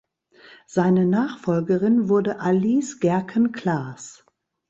Seine Nachfolgerin wurde Alice Gerken-Klaas.